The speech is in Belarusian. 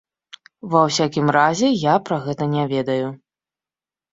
Ва ўсякім разе, я пра гэта не ведаю.